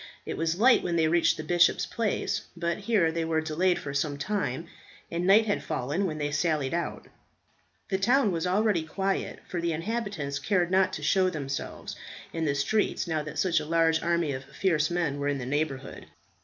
It was light when they reached the bishop's palace, but here they were delayed for some time, and night had fallen when they sallied out. The town was quiet, for the inhabitants cared not to show themselves in the streets now that such a large army of fierce men were in the neighbourhood.